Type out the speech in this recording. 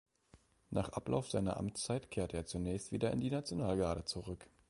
Nach Ablauf seiner Amtszeit kehrte er zunächst wieder in die Nationalgarde zurück.